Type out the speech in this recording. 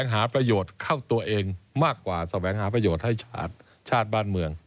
หาประโยชน์เข้าตัวเองมากกว่าแสวงหาประโยชน์ให้ชาติบ้านเมือง